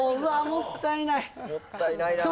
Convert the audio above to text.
もったいないな。